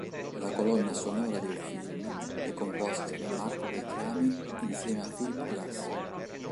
La colonna sonora del film è composta da Marco Beltrami insieme a Philip Glass.